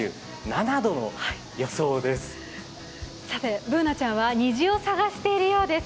Ｂｏｏｎａちゃんは虹を探しているようです。